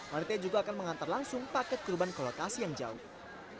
manitia juga akan mengantar langsung paket kurban ke lokasi yang jauh